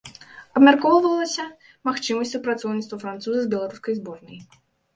Абмяркоўвалася магчымасць супрацоўніцтва француза з беларускай зборнай.